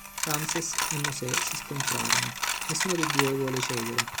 Ramses e Mosè si scontrano, nessuno dei due vuole cedere.